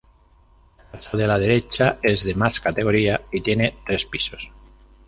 La casa de la derecha es de más categoría y tiene tres pisos.